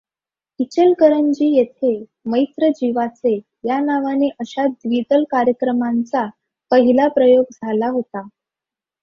इचलकरंजी येथे मैत्र जीवाचे या नावाने अशा द्विदल कार्यक्रमांचा पहिला प्रयोग झाला होता.